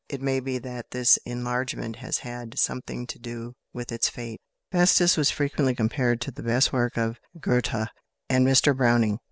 It may be that this enlargement has had something to do with its fate. "Festus" was frequently compared to the best work of Goethe and of Mr Browning.